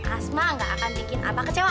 asma gak akan bikin apa kecewa